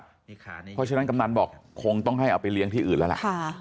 เพราะฉะนั้นกำนันบอกคงต้องให้เอาไปเลี้ยงที่อื่นแล้วล่ะ